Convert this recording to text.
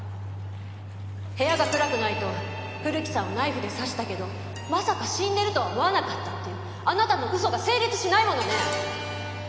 部屋が暗くないと古木さんをナイフで刺したけどまさか死んでるとは思わなかったっていうあなたの嘘が成立しないものね！